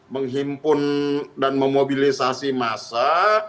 menghimpun dan memobilisasi massa